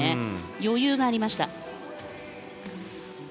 余裕がありました。